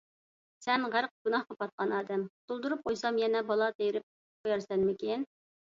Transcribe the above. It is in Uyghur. سەن غەرق گۇناھقا پاتقان ئادەم، قۇتۇلدۇرۇپ قويسام، يەنە بالا تېرىپ قويارسەنمىكىن؟